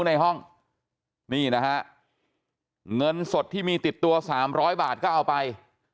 ในห้องนี่นะฮะเงินสดที่มีติดตัว๓๐๐บาทก็เอาไป